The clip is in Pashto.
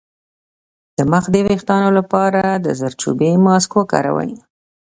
د مخ د ويښتانو لپاره د زردچوبې ماسک وکاروئ